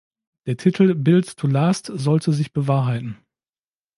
Der Titel "Build to Last" sollte sich bewahrheiten.